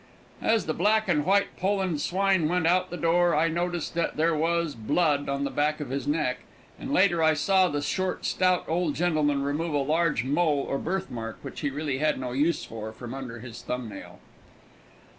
As the black and white Poland swine went out the door I noticed that there was blood on the back of his neck, and later on I saw the short, stout old gentleman remove a large mole or birthmark, which he really had no use for, from under his thumb nail.